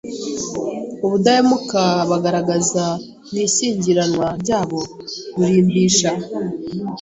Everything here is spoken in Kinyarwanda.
Ubudahemuka bagaragaza mu ishyingiranwa ryabo burimbisha